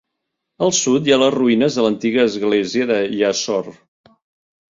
Al sud hi ha les ruïnes de l'antiga església de Yazor.